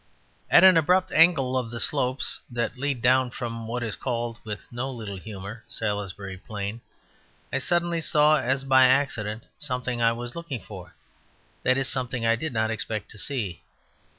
At an abrupt angle of the slopes that lead down from what is called (with no little humour) Salisbury Plain, I saw suddenly, as by accident, something I was looking for that is, something I did not expect to see.